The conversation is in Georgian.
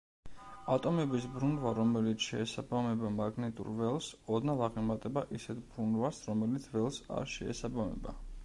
ატომების ბრუნვა რომელიც შეესაბამება მაგნიტურ ველს ოდნავ აღემატება ისეთ ბრუნვას რომელიც ველს არ შეესაბამება.